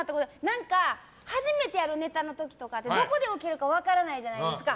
何か、始めてやるネタの時とかどこでウケるか分からないじゃないですか。